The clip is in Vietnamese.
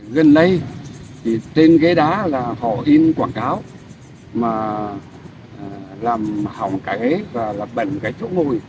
gần đây trên ghế đá là họ in quảng cáo mà làm hỏng cái và bẩn cái chỗ ngồi